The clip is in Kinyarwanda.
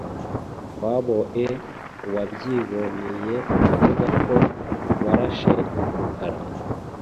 Twaboe uwabyiboneye avuga ko warashe Rukara.